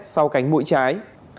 sau cánh mũi trái